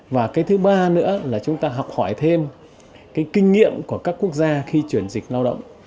và cái thứ ba nữa là chúng ta học hỏi thêm cái kinh nghiệm của các quốc gia khi chuyển dịch lao động